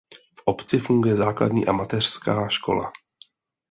V obci funguje základní a mateřská škola.